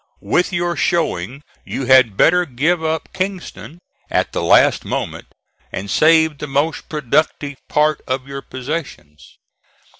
With your showing you had better give up Kingston at the last moment and save the most productive part of your possessions.